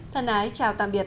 thân ái chào tạm biệt